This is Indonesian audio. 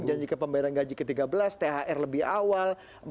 menjanjikan pembayaran gaji ke tiga belas thr lebih awal